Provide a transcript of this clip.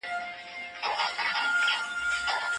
لوستونکي د کتابونو تر څنګ چاپېريال هم لولي.